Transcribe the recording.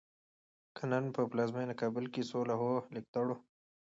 که نن په پلازمېنه کابل کې د څو لوحو لیکدړو